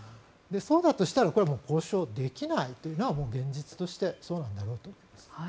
そうだとしたらこれはもう交渉できないというのは現実としてそうなんだろうと思います。